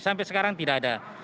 sampai sekarang tidak ada